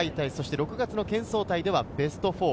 ６月の県総体ではベスト４。